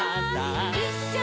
「いっしょに」